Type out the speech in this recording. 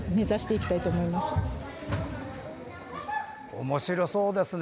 おもしろそうですね。